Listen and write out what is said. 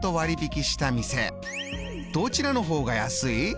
どちらの方が安い？